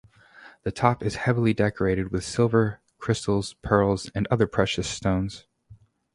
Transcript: The top is heavily decorated with silver, crystals, pearls and other precious stones.